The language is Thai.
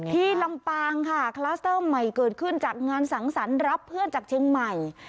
ลำปางค่ะคลัสเตอร์ใหม่เกิดขึ้นจากงานสังสรรค์รับเพื่อนจากเชียงใหม่